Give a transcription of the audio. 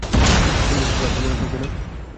তুমি নিশ্চিত পার্টির জন্য থাকবে না?